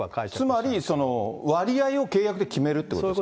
つまり、割合を契約で決めるってことですか。